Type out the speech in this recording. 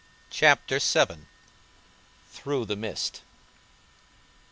CHAPTER VII. THROUGH THE MIST.